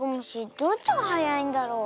どっちがはやいんだろう。